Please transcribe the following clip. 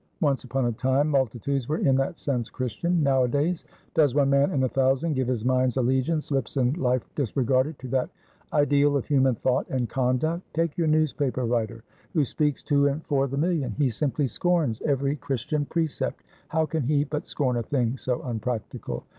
Once upon a time, multitudes were in that sense Christian. Nowadays, does one man in a thousand give his mind's allegiance (lips and life disregarded) to that ideal of human thought and conduct? Take your newspaper writer, who speaks to and for the million; he simply scorns every Christian precept. How can he but scorn a thing so unpractical?